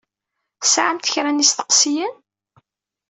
Tesɛamt kra n yisteqsiyen?